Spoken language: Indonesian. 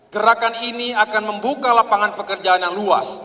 gerakan ini akan membuka lapangan pekerjaan yang luas